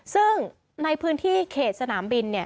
ซึ่งในพื้นที่เขตสนามบิน